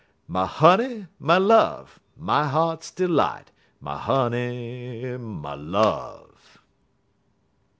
My honey, my love, my heart's delight My honey, my love!